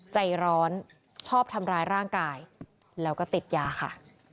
ใจร้อนชอบทำร้ายร่างกายแล้วก็ติดยาค่ะ